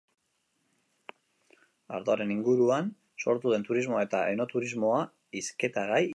Ardoaren inguruan sortu den turismoa eta enoturismoa hizketagai izango ditu.